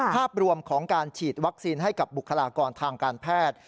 ภาพรวมของการฉีดวัคซีนให้กับบุคลากรทางการแพทย์